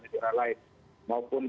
jika tidak mereka akan menjaga kemampuan baik